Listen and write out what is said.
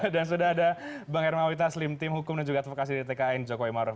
dan sudah ada bang hermawita slim team hukum dan juga advokasi dtkn jokowi maruf